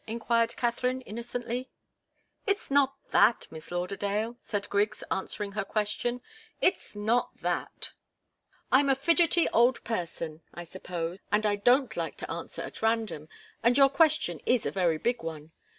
enquired Katharine, innocently. "It's not that, Miss Lauderdale," said Griggs, answering her question. "It's not that. I'm a fidgety old person, I suppose, and I don't like to answer at random, and your question is a very big one.